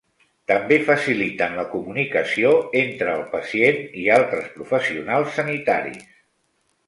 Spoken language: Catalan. També faciliten la comunicació entre el pacient i altres professionals sanitaris.